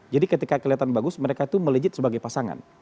jadi ketika kelihatan bagus mereka itu melejit sebagai pasangan